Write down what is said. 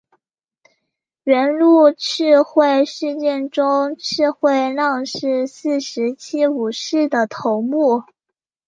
元禄赤穗事件中赤穗浪士四十七武士的头目。